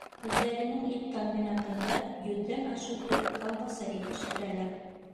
Үҙҙәренең ит комбинатында йөҙҙән ашыу төр колбаса етештерәләр.